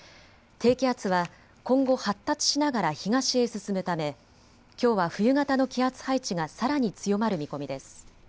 低気圧は今後、発達しながら東へ進むため、きょうは冬型の気圧配置がさらに強まる見込みです。